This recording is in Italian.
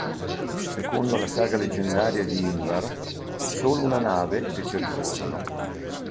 Secondo la saga leggendaria di Ingvar, solo una nave fece ritorno.